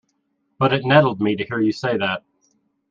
But it nettled me to hear you say that.